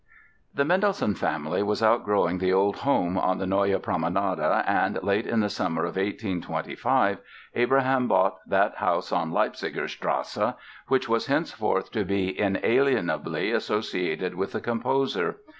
5. The Mendelssohn family was outgrowing the old home on the Neue Promenade and late in the summer of 1825 Abraham bought that house on Leipziger Strasse which was henceforth to be inalienably associated with the composer.